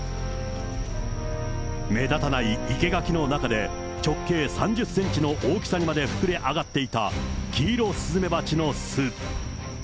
目立たない生け垣の中で、直径３０センチの大きさにまで膨れ上がっていたキイロスズメバチの巣。